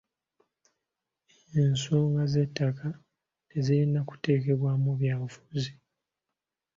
Ensonga z'ettaka tezirina kuteekebwamu byabufuzi.